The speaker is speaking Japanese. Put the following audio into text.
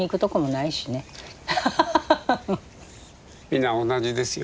皆同じですよ。